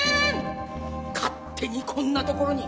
勝手にこんなところに！